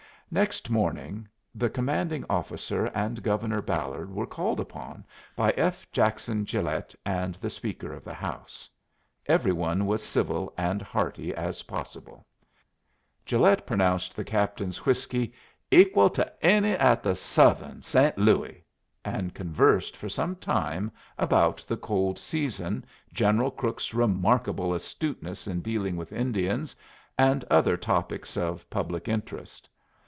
Next morning the commanding officer and Governor Ballard were called upon by F. Jackson Gilet and the Speaker of the House. Every one was civil and hearty as possible. Gilet pronounced the captain's whiskey "equal to any at the Southern, Saint Louey," and conversed for some time about the cold season, General Crook's remarkable astuteness in dealing with Indians, and other topics of public interest.